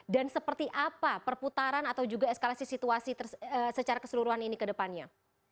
dan seperti apa perputaran atau juga eskalasi situasi secara keseluruhan ini ke depannya